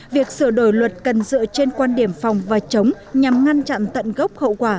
việc sửa đổi luật cần dựa trên quan điểm phòng và chống nhằm ngăn chặn tận gốc hậu quả